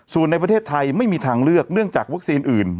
ส่วนในประเทศไทยไม่มีทางเลือกเนื่องจากวัคซีนอื่น